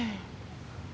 tadi di jalan telepon